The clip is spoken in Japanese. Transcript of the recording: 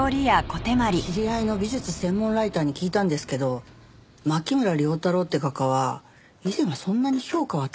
知り合いの美術専門ライターに聞いたんですけど牧村遼太郎って画家は以前はそんなに評価は高くなかったって。